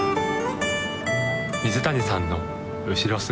水谷さんの後ろ姿。